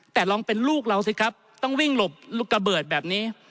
แต่ลองเป็นลูกเราสิครับต้องวิ่งหลบระเบิดแบบนี้